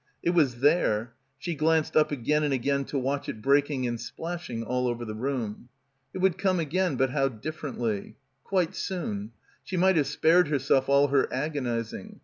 It was there ; she glanced up again and again to watch it breaking and splashing all over the room. It would come again, but how differently. Quite soon. She might have spared herself all her agonising.